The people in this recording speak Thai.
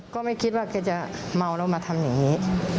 ก็ไม่คิดว่าแกจะเมาแล้วมาทำอย่างนี้